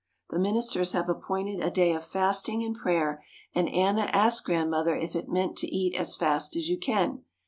The ministers have appointed a day of fasting and prayer and Anna asked Grandmother if it meant to eat as fast as you can.